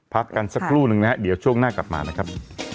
พักกันสักครู่นึงนะฮะเดี๋ยวช่วงหน้ากลับมานะครับ